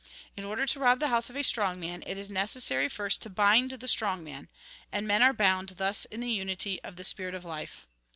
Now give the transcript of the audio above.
In order to rob the house of a strong man, it is necessary first to bind the strong man. And men are bound thus in the unity of the spirit of life.